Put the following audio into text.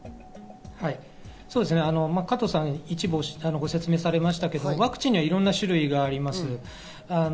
加藤さんが一部ご説明されましたけど、ワクチンにはいろんな種類があります。